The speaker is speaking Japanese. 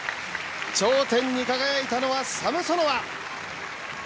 頂点に輝いたのはサムソノワ。